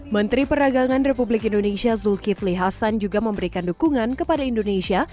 menteri perdagangan republik indonesia zulkifli hasan juga memberikan dukungan kepada indonesia